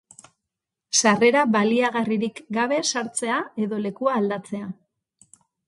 Sarrera baliagarririk gabe sartzea edo lekua aldatzea.